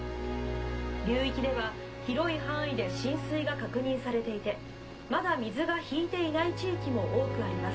流域では広い範囲で浸水が確認されていてまだ水がひいていない地域も多くあります。